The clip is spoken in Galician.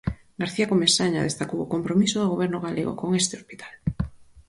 García Comesaña destacou o compromiso do Goberno galego con este hospital.